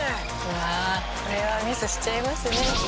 「うわあこれはミスしちゃいますね」